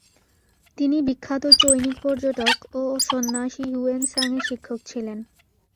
তিনি বিখ্যাত চৈনিক পর্যটক ও সন্ন্যাসী হিউয়েন সাঙের শিক্ষক ছিলেন।